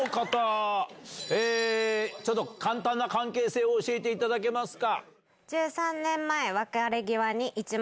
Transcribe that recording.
簡単な関係性を教えていただけますか？